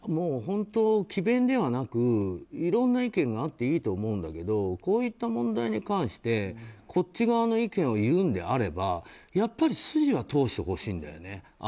本当、詭弁ではなくいろんな意見があっていいと思うんだけどこういった問題に関してこっち側の意見を言うのであれば、やっぱり筋は通してほしいんだよね。